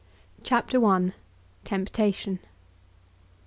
CHAPTER I. TEMPTATION.